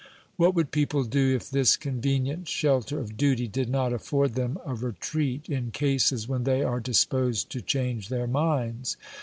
What would people do if this convenient shelter of duty did not afford them a retreat in cases when they are disposed to change their minds?